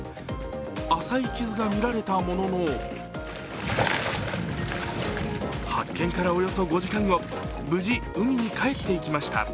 浅い傷が見られたものの発見からおよそ５時間後、無事、海に帰っていきました。